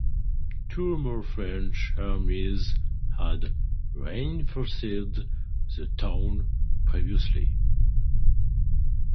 Two more French armies had reinforced the town previously.